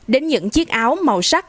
đến những chiếc áo màu sắc